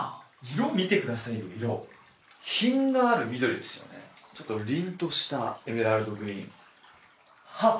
色見てくださいよ色品がある緑ですよねちょっとりんとしたエメラルドグリーンはっ！